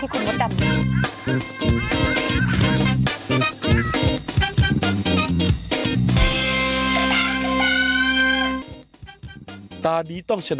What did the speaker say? เป็นการกระตุ้นการไหลเวียนของเลือด